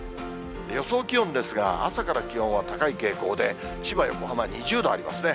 予想気温ですが、朝から気温は高い傾向で、千葉、横浜２０度ありますね。